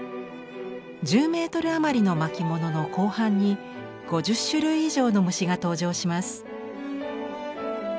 １０メートル余りの巻物の後半に５０種類以上の虫が登場します。